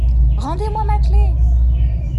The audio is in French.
Rendez-moi ma clef !